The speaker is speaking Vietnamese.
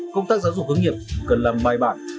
công tác giáo dục hướng nghiệp cần làm bài bản